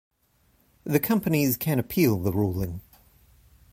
The companies can appeal the ruling.